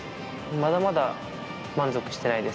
まだまだ満足してないです。